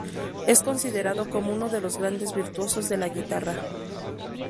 Es considerado como uno de los grandes virtuosos de la guitarra.